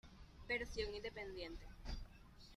Versión independiente.